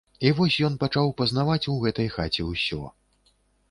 І вось ён пачаў пазнаваць у гэтай хаце ўсё.